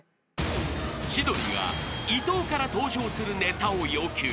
［千鳥が伊藤から登場するネタを要求］